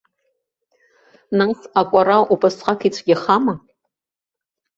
Нас акәара убасҟак ицәгьахама?